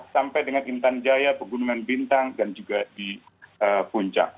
sampai dengan intan jaya pegunungan bintang dan juga di puncak